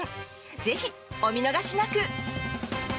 ぜひ、お見逃しなく！